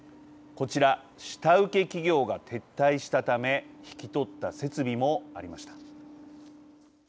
こちら下請け企業が撤退したため引き取った設備もありました。